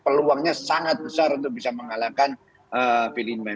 peluangnya sangat besar untuk bisa mengalahkan pilih inmei